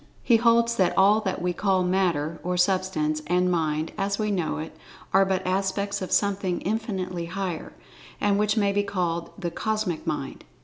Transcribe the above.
He holds that all that we call Matter (or Substance) and Mind (as we know it) are but aspects of something infinitely higher, and which may be called the "Cosmic Mind."